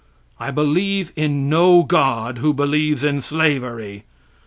I believe in no God who believes in slavery.